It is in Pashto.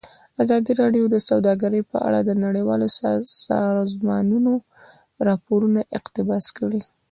ازادي راډیو د سوداګري په اړه د نړیوالو سازمانونو راپورونه اقتباس کړي.